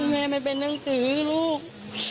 แม่ไม่เป็นเรื่องถือลูก